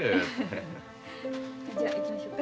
じゃあ行きましょうか。